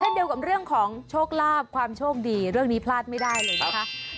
เดียวกับเรื่องของโชคลาภความโชคดีเรื่องนี้พลาดไม่ได้เลยนะคะ